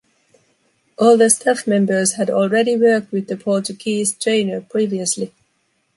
All the staff members had already worked with the Portuguese trainer previously.